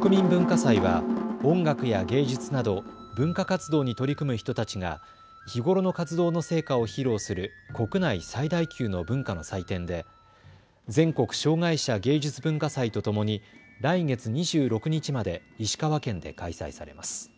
国民文化祭は音楽や芸術など文化活動に取り組む人たちが日頃の活動の成果を披露する国内最大級の文化の祭典で全国障害者芸術・文化祭とともに来月２６日まで石川県で開催されます。